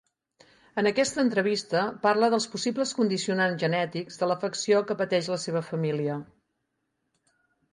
En aquesta entrevista parla dels possibles condicionants genètics de l'afecció que pateix la seva família.